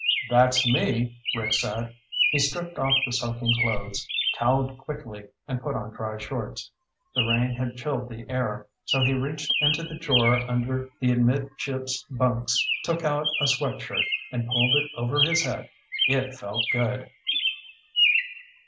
"That's me," Rick said. He stripped off the soaking clothes, toweled quickly, and put on dry shorts. The rain had chilled the air, so he reached into the drawer under the amidships bunks, took out a sweat shirt, and pulled it over his head. It felt good.